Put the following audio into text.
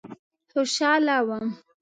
خوشاله وم.